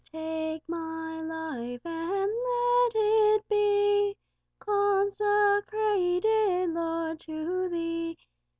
Take my life, and let it be Consecrated, Lord, to Thee.